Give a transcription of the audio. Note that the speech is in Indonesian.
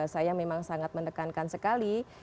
saya memang sangat mendekankan sekali